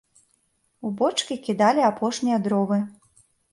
У бочкі кідалі апошнія дровы.